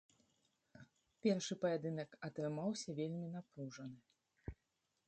Першы паядынак атрымаўся вельмі напружаны.